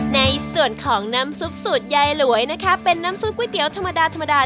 ในส่วนของน้ำซุปสูตรยายหลวยนะคะเป็นน้ำซุปก๋วยเตี๋ยวธรรมดาธรรมดา